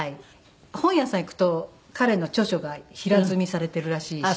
本屋さん行くと彼の著書が平積みされてるらしいし。